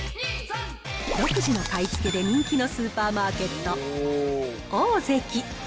独自の買い付けで人気のスーパーマーケット、オオゼキ。